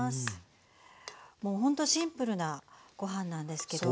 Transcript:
もうほんとシンプルなご飯なんですけど。